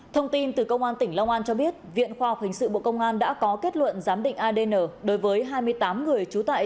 thông tin từ công an tỉnh long an cho biết viện khoa học hình sự bộ công an đã có kết luận giám định adn đối với hai mươi tám người trú tại